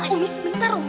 umi sebentar om